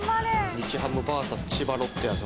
日ハムｖｓ千葉ロッテやぞ